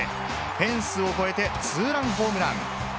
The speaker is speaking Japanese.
フェンスを越えて、ツーランホームラン。